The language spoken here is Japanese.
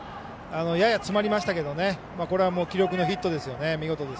やや詰まりましたけどこれは記録ヒットですよね。